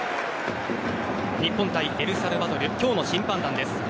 日本対エルサルバドル今日の審判団です。